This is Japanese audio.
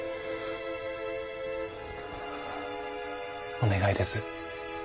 お願いです。